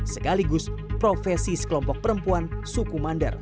sekaligus profesi sekelompok perempuan suku mandar